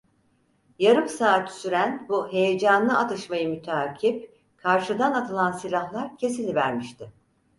Yarım saat süren bu heyecanlı atışmayı müteakip, karşıdan atılan silahlar kesilivermişti.